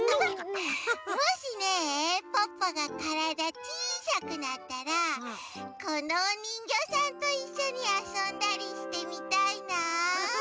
もしねポッポがからだちいさくなったらこのおにんぎょうさんといっしょにあそんだりしてみたいな。